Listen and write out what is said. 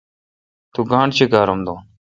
تو گاݨڈہ چیکارم دوں۔